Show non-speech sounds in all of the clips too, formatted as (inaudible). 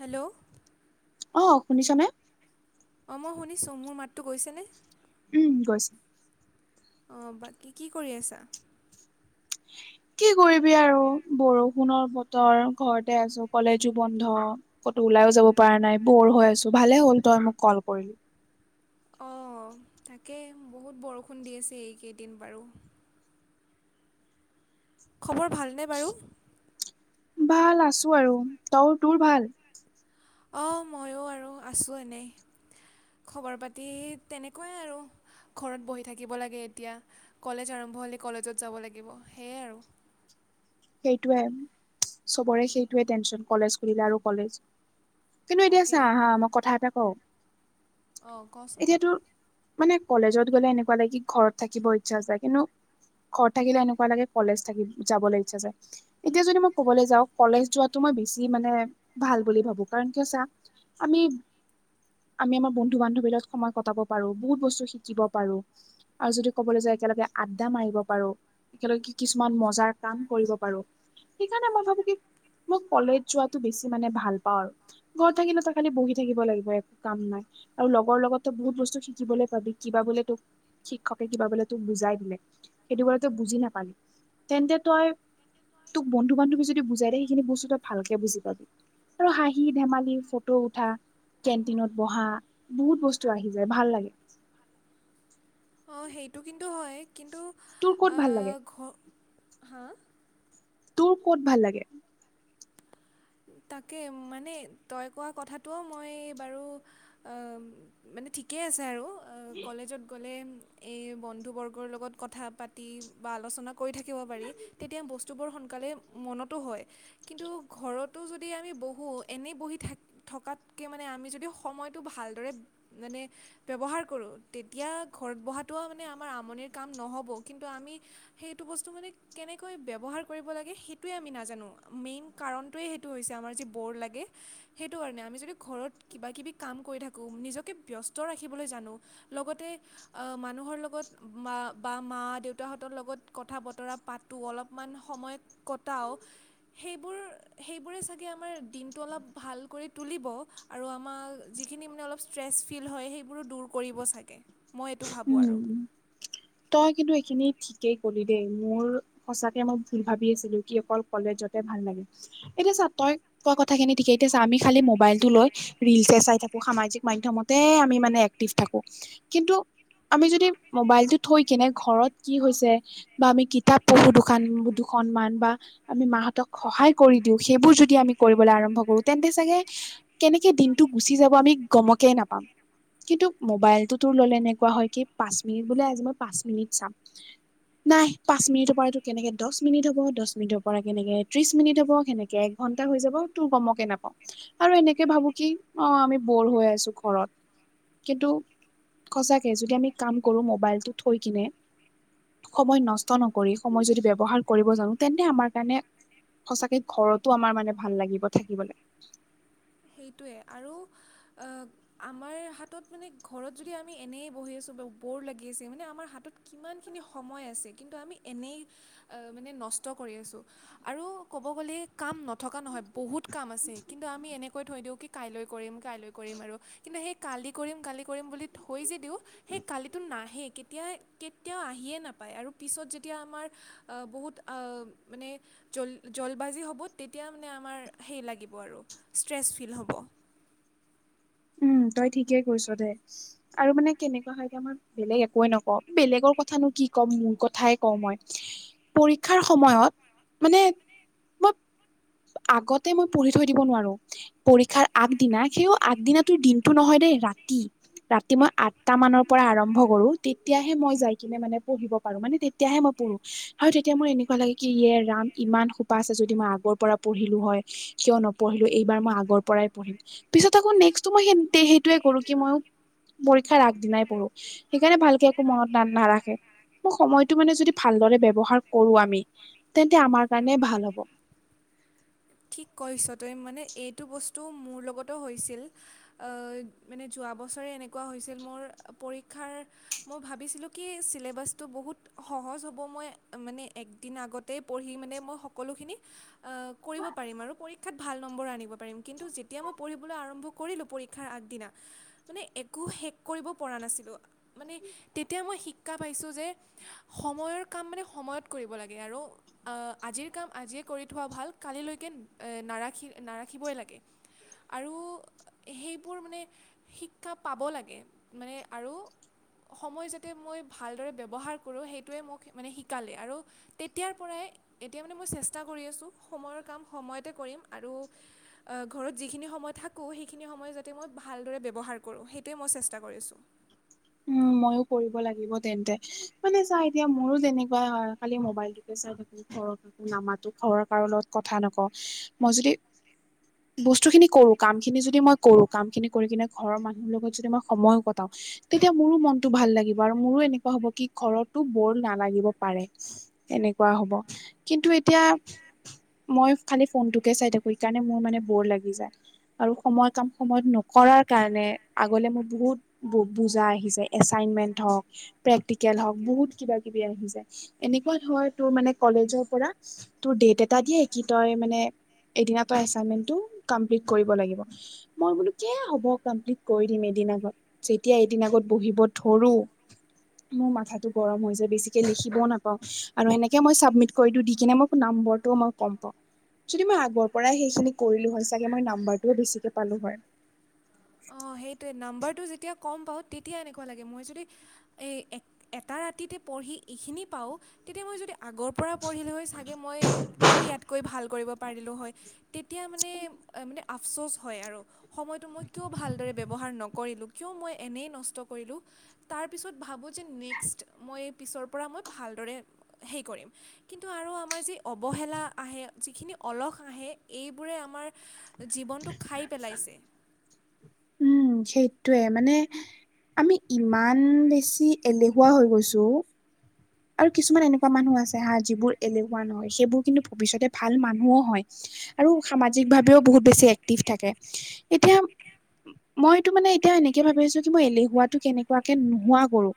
Hello অ শুনিছ নে? অঁ মই শুনিছোঁ, মোৰ মাতটো গৈছেনে? উম গৈছে? অ বাকী কি কৰি আছা? কি কৰিবি আৰু বৰষুণৰ বতৰ ঘৰতে আছো। কলেজো বন্ধ। ক'তো ওলাইও যাব পৰা নাই, বৰ হৈ আছো। ভালে হ'ল তই মোক কল কৰিলি। অ তাকে বহুত বৰষুণ দি আছে এইকেইদিন বাৰু। খবৰ ভালনে বাৰু? ভাল আছোঁ আৰু, তই তোৰ ভাল? অঁ ময়ো আৰু আছোঁ এনেই। খবৰ পাতি তেনেকুৱাই আৰু। ঘৰত বহি থাকিব লাগে এতিয়া। কলেজ আৰম্ভ হ'লে কলেজত যাব লাগিব সেয়াই আৰু। সেইটোৱে, চবৰে সেইটোৱে টেনচন। কলেজ খুলিলে আৰু কলেজ কিন্তু এতিয়া চা তাকেই হা, মই কথা এটা কওঁ? অঁ কচোন এতিয়াতো মানে কলেজত গ'লে এনেকুৱা লাগে কি ঘৰত থাকিব ইচ্ছা যায়, কিন্তু ঘৰত থাকিলে এনেকুৱা লাগে কলেজ থাকি যাবলে ইচ্ছা যায়। এতিয়া যদি মই ক'বলে যাওঁ কলেজ যোৱাটো মই বেছি মানে ভাল বুলি ভাবো। কাৰণ কিয় চা আমি আমি আমাৰ বন্ধু-বান্ধৱীৰ লগত সময় কটাব পাৰো। বহুত বস্তু শিকিব পাৰো। আৰু যদি ক'বলে যায় একেলগে আড্ডা মাৰিব পাৰো, একেলগে কিছুমান মজাৰ কাম কৰিব পাৰো সেইকাৰণে মই ভাবো কি মই কলেজ যোৱাটো বেছি মানে ভাল পাওঁ আৰু। ঘৰত থাকিলে তই খালি বহি থাকিব লাগিব একো কাম নাই। আৰু লগৰ লগত তই বহুত বস্তু শিকিবলৈ পাবি, কিবা বোলে তোক শিক্ষকে কিবা বোলে তোক বুজাই দিলে, সেইটো বোলে তই বুজি নাপালি তেন্তে তই তোক বন্ধু-বান্ধৱীয়ে যদি বুজাই দিয়ে সেইখিনি বস্তু তই ভালকে বুজি পাবি। আৰু হাঁহি ধেমালি ফটো উঠা কেণ্টিনত বহা, বহুত বস্তু আহি যায় ভাল লাগে। অ, সেইটো কিন্তু হয়, কিন্তু তোৰ ক'ত ভাল লাগে ঘ, হা? তোৰ ক'ত ভাল লাগে? তাকে মানে তই কোৱা কথাটোও মই বাৰু অ মানে ঠিকেই আছে আৰু অ কলেজত গ'লে এই বন্ধুবৰ্গৰ লগত কথা পাতি বা আলোচনা কৰি থাকিব পাৰি। তেতিয়া বস্তুবোৰ সনকালে মনতো হয়। কিন্তু ঘৰত তো যদি আমি বহো এনেই বহি থাক থকাতকৈ মানে আমি যদি সময়টো ভালদৰে মানে ব্যৱহাৰ কৰো তেতিয়া ঘৰত বহাটো মানে আমাৰ আমনিৰ কাম নহ'ব। কিন্তু আমি সেইটো বস্তু মানে কেনেকৈ ব্যৱহাৰ কৰিব লাগে সেইটোৱে আমি নাজানো। মেইন কাৰণ সেইটোৱেই সেইটো হৈছে আমাৰ যি বৰ লাগে। সেইটো কাৰণে আমি যদি ঘৰত কিবা কিবি কাম কৰি থাকোঁ নিজকে ব্যস্ত ত ৰাখিবলৈ জানো। লগতে আ মানুহৰ লগত মা বা মা-দেউতাহঁতৰ লগত কথা বতৰা পাত তো অলপমান সময় কটাও। সেইবোৰ সেইবোৰে চাগে আমাৰ দিনটো অলপ ভাল কৰি তুলিব। আৰু আমাক যিখিনি মানে অলপ ষ্ট্ৰেছ ফিল হয় সেইবোৰো দূৰ কৰিব চাগে। মই এইটো ভাবো আৰু। উম তই কিন্তু এইখিনি ঠিকেই কলি দেই। মোৰ সঁচাকে মই ভুল ভাবি আছিলো কি অকল কলেজতে ভাল লাগে। এতিয়া চা তই কোৱা কথাখিনি ঠিকে। এতিয়া আমি খালি মোবাইলটো লৈ ৰীলচহে চাই থাকো, সামাজিক মাধ্যমতে আমি মানে এক্টিভ থাকো। কিন্তু আমি যদি মোবাইলটো থৈ কিনে ঘৰত কি হৈছে বা আমি কি কিতাপ পঢ়োঁ দুখান দুখনমান বা আমি মাহঁতক সহায় কৰি দিও সেইবোৰ যদি আমি কৰিবলে আৰম্ভ কৰো তেন্তে চাগে কেনেকে দিন টো গুচি যাব আমি গমকে নাপাম। কিন্তু মবাইলতোটো ল'লে এনেকুৱা হয় কি পাঁচ মিনিট বোলে আজি মই পাঁচ মিনিট চাম। নাই পাঁচ মিনিটৰ পৰা এইটো কেনেকে দছ মিনিট হ'ব, দছ মিনিটৰ পৰা কেনেকে ত্ৰিশ মিনিট হ'ব। কেনেক কে এক ঘণ্টা হৈ যাব তোৰ গমকে নাপাওঁ। আৰু এনেকে ভাবো কি অ আমি বৰ হৈ আছো ঘৰত। কিন্তু সঁচাকে যদি আমি কাম কৰো মোবাইলটো থৈ কিনে। সময় নষ্ট নকৰি সময় যদি ব্যৱহাৰ কৰিব জানো তেন্তে আমাৰ কাৰণে সঁচাকে ঘৰতো আমাৰ মানে ভাল লাগিব থাকিবলে। সেইটোৱে আৰু আহ আমাৰ হাতত মানে ঘৰত যদি আমি এনেই বহি আছোঁ বা ব'ৰ লাগি আছে মানে আমাৰ হাতত। কিমানখিনি সময় আছে কিন্তু আমি এনেই। মানে নষ্ট কৰি আছো আৰু ক'ব গ'লে কাম নথকা নহয় বহুত। কাম আছে কিন্তু আমি এনে থৈ দিওঁ কি কাইলৈ কৰিম কাইলৈ কৰিম আৰু কিন্তু সেই কালি কৰিম কালি কৰিম বুলি থৈ যে দিওঁ। সেই কালিটো নাহে কেতিয়া কেতিয়াও আহিয়ে নাপায় আৰু পিছত যেতিয়া আমাৰ বহুত। মানে জল জলবাজি হ'ব তেতিয়া মানে আমাৰ সেই লাগিব আৰু। ষ্ট্ৰেছ ফিল হ'ব। উম তই ঠিকেই কৈছ দেই আৰু মানে কেনেকুৱা হয় তমান বেলেগ একোৱে নকওঁ। বেলেগৰ কথানো কি কম মোৰ কথাই কওঁ মই। পৰীক্ষাৰ সময়ত মানে। মই (unintelligible) আগতে মই পঢ়ি থৈ দিব নোৱাৰো পৰীক্ষাৰ আগদিনা সেও আগদিনাত। দিনটো নহয় দেই ৰাতি। ৰাতি মই আঠটা মানৰ পৰা আৰম্ভ কৰো তেতিয়াহে মই যাই কিনে মানে পঢ়িব পাৰো মানে তেত তিয়াহে মই পঢ়ো। হয়, তেতিয়া মোৰ এনেকুৱা লাগে কি ইয়ে ৰাম ইমান সোপা আছে যদি মই আগৰ পৰা পঢ়িলো হয়। কিয় নপঢ়িলো এইবাৰ মই আগৰ পৰাই পঢ়িম পিছত আকৌ নেক্স। ত মই সেন্তে সেইটোয়ে কৰো কি মইয়ো। পৰীক্ষা আগদিনাই পঢ়ো সেইকাৰণে ভালকে একো মনত না নাৰাখে। মই সময়টো মানে যদি ভালদৰে ব্যৱহাৰ কৰো আমি তেন্তে আমাৰ কাৰণে ভাল হ'ব। ঠিক কৈছ তই মানে এইটো বস্তু মোৰ লগতো হৈছিল। মানে যোৱা বছৰে এনেকুৱা হৈছিল মোৰ পৰীক্ষাৰ মই ভাবিছিলোঁ কি ছিলেবাছটো বহুত সহজ হ'ব মই মানে একদিন আগত তে পঢ়ি মানে মই সকলোখিনি আ কৰিব পাৰিম আৰু পৰীক্ষাত ভাল নম্বৰ আনিব পাৰিম কিন্তু যেতিয়া মই পঢ়িবলৈ আৰম্ভ কৰিলোঁ পৰীক্ষাৰ আগদিনা। মানে একো শেষ কৰিব পৰা নাছিলোঁ মানে তেতিয়া মই শিক্ষা পাইছোঁ যে। সময়ৰ কাম মানে সময়ত কৰিব লাগে আৰু। আজিৰ কাম আজিয়ে কৰি থোৱা ভাল কালিলৈকে নাৰাখি নাৰাখিবই লাগে। আৰু সেইবোৰ মানে। শিক্ষা পাব লাগে মানে আৰু। সময় যাতে মই ভালদৰে ব্যৱহাৰ কৰোঁ। সেইটোৱে মোক মানে শিকালে আৰু। তেতিয়াৰ পৰাই এতিয়া মানে মই চেষ্টা কৰি আছোঁ সময়ৰ কাম সময়তে কৰিম আৰু। ঘৰত যিখিনি সময় থাকোঁ সেইখিনি সময় যাতে মই ভালদৰে ব্যৱহাৰ কৰোঁ সেইটোৱে মই চেষ্টা কৰিছোঁ। উম মইয়ো কৰিব লাগিব তেন্তে। মানে চাহ এতিয়া মোৰো যেনেকুৱা হয় খালি মোবাইলটোকে চাই থাকো। ঘৰৰ কাকো নামাতো ঘৰৰ কাৰো লগত কথা নকওঁ মই যদি (inaudible) বস্তু খিনি কৰো কাম খিনি যদি মই কৰো কাম খিনি কৰি কিনে ঘৰৰ মানুহৰ লগত যদি মই সময়ো কটাও তেতিয়া মোৰো মনতটো ভাল লাগিব আৰু মোৰো এনেকুৱা হ'ব কি ঘৰতো বৌৰ নালাগিব পাৰে। এনেকুৱা হব কিন্তু এতিয়া মই খালি ফোনটোকে চাই থাকো সেইকাৰণে মোৰ মানে বৰ লাগি যায়। আৰু সময় কাম সময়ত নকৰাৰ কাৰণে আগলে মোৰ বহুত বুজা আহিছে এচাইনমেন্ট হওঁক প্ৰেক্টিকেল হওঁক বহুত কিবা কিবি আহি যায় এনেকুৱা ধয় তোৰ মানে কলেজৰ পৰা তোৰ দেত এটা দিয়ে তই কি মানে এদিনা তই এছাইনমেণ্টটো কমপ্লিত কৰিব লাগিব। মই বোলো কি হ'ব কমপ্লিট কৰি দিম এদিন আগত। এতিয়া এদিন আগত বহিব ধৰো। মোৰ মাথাটো গৰম হৈ যায় বেছিকে লিখিবও নাপাও, আৰু এনেকে মই চাবমিট কইটো দি কিনে মই নম্বৰটোও মই কম পাওঁ। যদি মই আগৰ পৰাই সেইখিনি কৰিলো হয় চাগে মই নাম্বাৰটোও বেছিকে পালো হয়। অ সেইটোৱে নাম্বাৰটো যেতিয়া কম পাওঁ তেতিয়া এনেকুৱা লাগে মই যদি এই এটা ৰাতিতে পঢ়ি এইখিনি পাওঁ তেতিয়া মই যদি আগৰ পৰা পঢ়িলে হৈ চাগে, মই আৰু ইয়াতকৈ ভাল কৰিব পাৰিলোঁ হয়। তেতিয়া মানে মানে আফচোচ হয়, আৰু সময়টো মই কিয় ভালদৰে ব্যৱহাৰ নকৰিলোঁ কিয় মই এনেই নষ্ট কৰিলোঁ। তাৰপিছত ভাবোঁ যে নেক্সট মই পিছৰ পৰা মই ভালদৰে হেৰি কৰিম। কিন্তু আৰু আমাৰ যি অৱহেলা আহে যিখিনি অলস আহে এইবোৰে আমাৰ জীৱনটো খাই পেলাইছে। উম, সেইটোয়ে মানে আমি ইমান বেছি এলেহুৱা হৈ গৈছোঁ, আৰু কিছুমান এনেকুৱা মানুহ আছে হা যিবোৰ এলেহুৱা নহয় সেইবোৰ কিন্তু ভৱিষ্যতে ভাল মানুহও হয়। আৰু সামাজিক ভাৱেও বহুত বেছি এক্টিভ থাকে, এতিয়া মইতো মানে এতিয়া এনেকে ভাবি আছো কি মই এলেহুৱাটো কেনেকুৱাকে নোহোৱা কৰোঁ।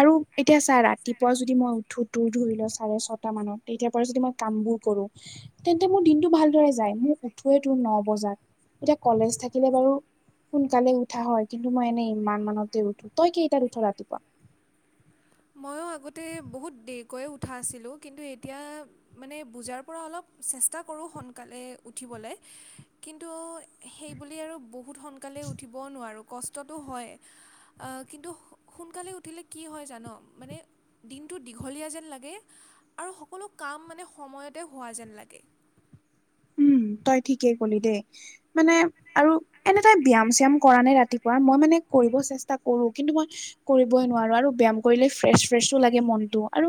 আৰু এতিয়া চাহ ৰাত ৰাতিপুৱা যদি মই উঠো তোৰ ধৰি ল চাৰে ছটা মানত তেতিয়াৰ পৰা যদি মই কামবোৰ কৰোঁ। তেন্তে মোৰ দিনটো ভালদৰে যায়, মোৰ উঠোৱেই তোৰ ন বজাত এতিয়া কলেজ থাকিলে বাৰু। সোনকালে উঠা হয়, কিন্তু মই এনেই ইমান মানতে উঠো তই কেইটাত উঠ ৰাতিপুৱা মইয়ো আগতে বহুত দেৰিকৈয়ে উঠা আছিলোঁ কিন্তু এতিয়া মানে বুজাৰ পৰা অলপ চেষ্টা কৰোঁ সোনকালে উঠিবলে কিন্তু সেইবুলি আৰু বহুত সোনকালে উঠিব নোৱাৰোঁ। কষ্টটো হয়, আ কিন্তু সোনকালে উঠিলে কি হয় জান? মানে, দিনটো দীঘলীয়া যেন লাগে। আৰু সকলো কাম মানে সময়তে হোৱা যেন লাগে। উম তই ঠিকেই কলি দে। মানে আৰু এনে তই ব্যায়াম চিয়াম কৰা নে ৰাতিপুৱা মই মানে কৰিব চেষ্টা- কৰো, কিন্তু মই কৰিবই নোৱাৰো আৰু ব্যায়াম কৰিলে ফ্ৰেছ ফ্ৰেছো লাগে মনতটো আৰু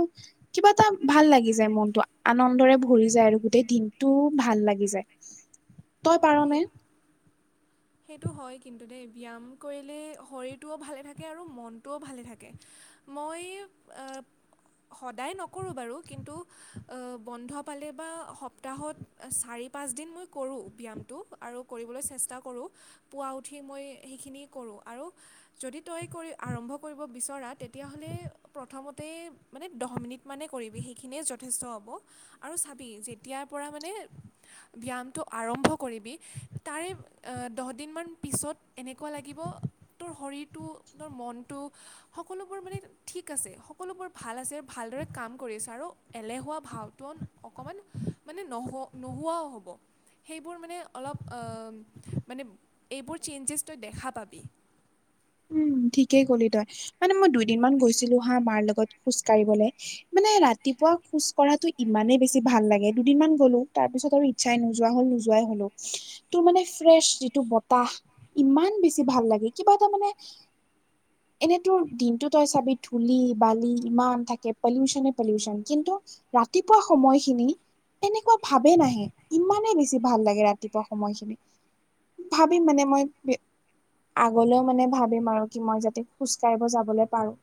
কিবা এটা ভাল লাগি যায় মনটো। আনন্দৰে ভৰি যায় আৰু গোটেই দিনটোও ভাল লাগি যায়, তই সেই পাৰনে? সেইটো হয় কিন্তু দেই, ব্যায়াম কৰিলে শৰীৰটোও ভালে থাকে আৰু মনটোও ভালে থাকে। মই আ সদায় নকৰোঁ বাৰু কিন্তু বন্ধ পালে বা সপ্তাহত চাৰি পাঁচদিন মই কৰোঁ ব্যায়াম তো আৰু কৰিবলৈ চেষ্টা কৰোঁ পূৱা উঠি মই সেইখিনি কৰোঁ আৰু যদি তই কৰি আৰম্ভ কৰিব বিচৰা তেতিয়াহ'লে প্ৰথমতে মানে দহ মিনিটমানে কৰিবি সেইখিনিয়ে যথেষ্ট হ'ব। আৰু চাবি যেতিয়াৰ পৰা মানে ব্যায়ামটো আৰম্ভ- কৰিবি তাৰে এহ দহদিন পিছত এনেকুৱা লাগিব- তোৰ শৰীৰটো তোৰ মনটো সকলোবোৰ মানে- ঠিক আছে সকলোবোৰ ভাল আছে, ভালদৰে কাম কৰি আছে আৰু এলেহুৱা ভাওটৌন- অকমান মানে নহ নোহোৱাও হ'ব। বোৰ মানে অলপ অঁ মানে এইবোৰ চেঞ্জেছ তই দেখা পাবি। উম ঠিকেই ক'লি তই, মানে মই দুইদিনমান গৈছিলো হা মাৰ লগত খোজ কঢ়িবলে। মানে ৰাতিপুৱা খোজ কঢ়াটো ইমানেই বেছি ভাল লাগে, দুদিনমান গ'লো তাৰ পিছত আৰু- চাই নোযোৱা হ'ল নোযোৱাই হ'লও, তো মানে ফ্ৰেছ যিটো বতাহ- ইমান বেছি ভাল লাগে কিবা এটা মানে- এনেইতোৰ দিনটো তই চাবি ধূলি বালি ইমান থাকে পলিউচনে পলিউচন কিন্তু- ৰাতিপুৱা সময়খিনি- এনেকুৱা ভাবে নাহে ইমানেই বেছি ভাল লাগে ৰাতিপুৱা সময়খিনি। ভাবিম মানে মই আগলেও মানে ভাবিম আৰু কি মই যাতে খোজ কাঢ়িব যাবলৈ পাৰো,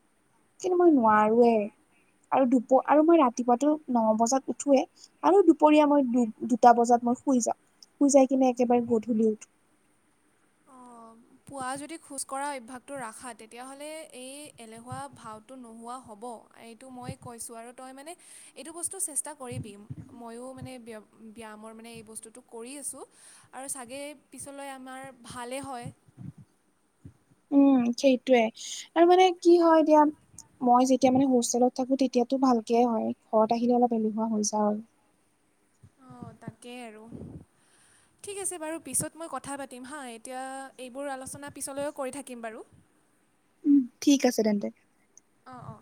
কিন্তু মই নোৱাৰোৱে। আৰু ধুপ আৰু মই ৰাতিপুৱাটো ন বজাত উঠোৱে। আৰু দুপৰীয়া মই দু দুটা বজাত মই শুই যাওঁ শুই যাই কিনে একেবাৰে গধূলি উঠো। অঁ, পুৱা যদি খোজ কঢ়া অভ্যাসটো ৰাখা তেতিয়াহ'লে এই এলেহুৱা ভাওটো নোহোৱা হ'ব। এইটো মই কৈছোঁ আৰু তই মানে এইটো বস্তু চেষ্টা কৰিবি। ময়ো মানে ব্য ব্যায়ামৰ মানে এই বস্তুটো কৰি আছোঁ আৰু চাগে পিছলৈ আমাৰ ভালেই হয়। উম সেইটোৱে আৰু মানে কি হয় এতিয়া। মই যেতিয়া মানে হোষ্টেলত থাকো তেতিয়াতো ভালকে হয় ঘৰত আহিলে অলপ এলেহুৱা হৈ যাওঁ আৰু। অঁ তাকেই আৰু। ঠিক আছে বাৰু পিছত মই কথা পাতিম হাঁ এতিয়া এইবোৰ আলোচনা পিছলৈও কৰি থাকিম বাৰু। উম ঠিক আছে তেন্তে। অঁ অঁ।